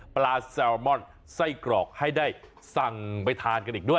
ปลาแซลมอนไส้กรอกให้ได้สั่งไปทานกันอีกด้วย